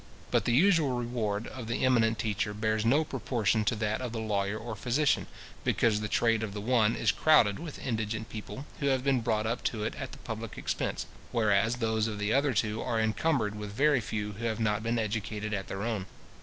But the usual reward of the eminent teacher bears no proportion to that of the lawyer or physician, because the trade of the one is crowded with indigent people, who have been brought up to it at the public expense; whereas those of the other two are encumbered with very few who have not been educated at their own.